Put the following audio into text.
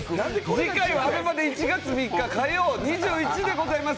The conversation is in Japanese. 次回はアベマで１月３日火曜２１時でございます。